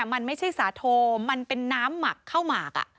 มันไม่ใช่สาโทมันเป็นน้ำหมักข้าวหมาก